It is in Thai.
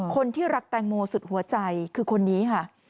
คนที่รักแตงโมสุดหัวใจคือคนนี้ค่ะ